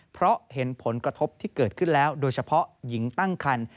เพราะเห็นผลกระทบที่เกิดขึ้นแล้วโดยเฉพาะหญิงตั้งคัน